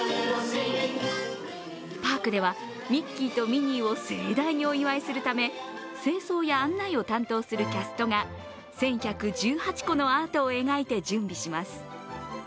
パークではミッキーとミニーを盛大にお祝いするため、清掃や案内を担当するキャストが１１１８個のアートを描いて準備します。